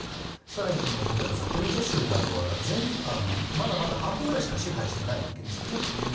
更に、例えばザポリージャ州などはまだまだ半分くらいしか支配していないわけですね。